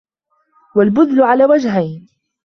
وَالْبَذْلُ عَلَى وَجْهَيْنِ